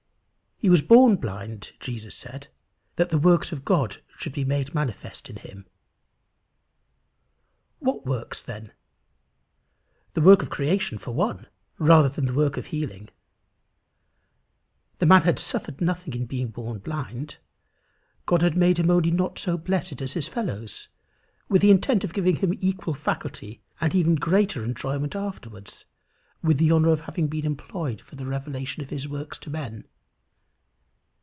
He was born blind, Jesus said, "that the works of God should be made manifest in him." What works, then? The work of creation for one, rather than the work of healing. The man had suffered nothing in being born blind. God had made him only not so blessed as his fellows, with the intent of giving him equal faculty and even greater enjoyment afterwards, with the honour of being employed for the revelation of his works to men.